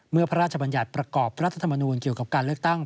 พระราชบัญญัติประกอบรัฐธรรมนูลเกี่ยวกับการเลือกตั้ง